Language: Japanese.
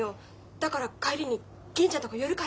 だから帰りに銀ちゃんとこ寄るから。